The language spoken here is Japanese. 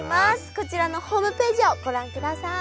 こちらのホームページをご覧ください。